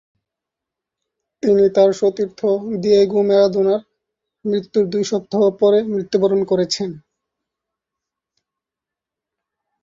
তিনি তার সতীর্থ দিয়েগো মারাদোনার মৃত্যুর দুই সপ্তাহ পরে মৃত্যুবরণ করেছেন।